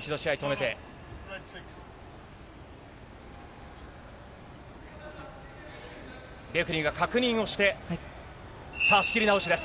一度試合を止めてレフェリーが確認をしてさあ、仕切り直しです。